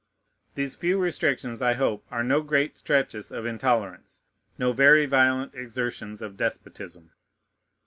These few restrictions I hope are no great stretches of intolerance, no very violent exertions of despotism.